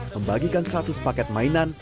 membagikan seratus paket mainan